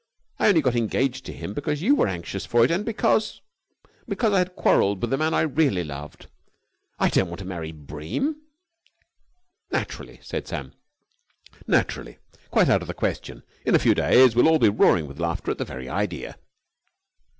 I only got engaged to him because you were so anxious for it, and because ... because I had quarrelled with the man I really loved ... I don't want to marry Bream." "Naturally!" said Sam. "Naturally! Quite out of the question. In a few days we'll all be roaring with laughter at the very idea."